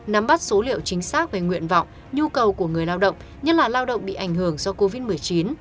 nắm bắt số liệu chính xác về nguyện vọng nhu cầu của người lao động nhất là lao động bị ảnh hưởng do covid một mươi chín